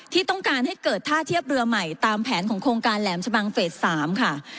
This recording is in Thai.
ที่ต้องการให้เกิดท่าเทียบเรือใหม่ตามแผนของโครงการแหลมชะบังเฟส๓ค่ะ